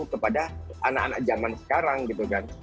kepada anak anak zaman sekarang gitu kan